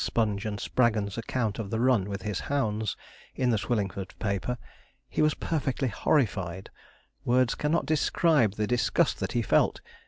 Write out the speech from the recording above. Sponge and Spraggon's account of the run with his hounds, in the Swillingford paper, he was perfectly horrified; words cannot describe the disgust that he felt.